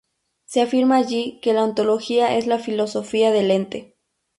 Se afirma allí que la ontología es la filosofía del ente.